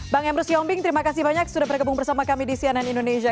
bang emro sjombing terima kasih banyak sudah berhubung bersama kami di cnn indonesia